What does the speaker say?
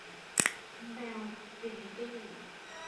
แมวฟินิตี้